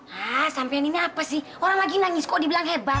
hah sampaiin ini apa sih orang lagi nangis kok dibilang hebat